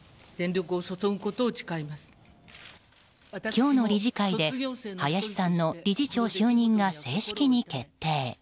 今日の理事会で林さんの理事長就任が正式に決定。